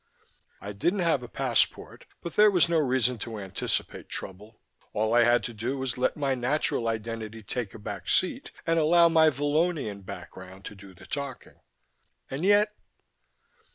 I didn't have a passport, but there was no reason to anticipate trouble. All I had to do was let my natural identity take a back seat and allow my Vallonian background to do the talking. And yet....